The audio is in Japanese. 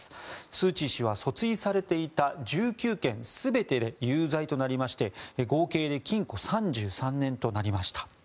スー・チー氏は訴追されていた１９件全て有罪となりまして合計で禁錮３３年となりました。